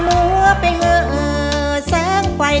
มาครับ